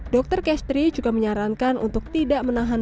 dokter kestri juga menyarankan untuk tidak menahan